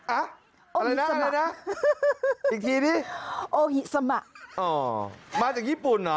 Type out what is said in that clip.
อ่ะอะไรนะอะไรนะอีกทีดิโอฮิสมะอ๋อมาจากญี่ปุ่นเหรอ